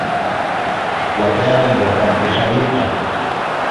وَكَانَ بِالرَّدِّ خَلِيقًا